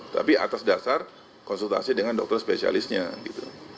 tapi atas dasar konsultasi dengan dokter spesialisnya gitu